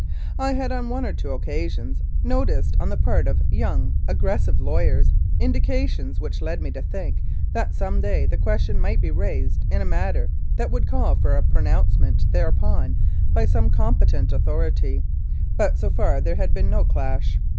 I had on one or two occasions noticed on the part of young, aggres sive lawyers indications which led me to think that some day the question might be raised in a manner that would call for a pronouncement thereupon by some competent authority, but so far there had been no clash.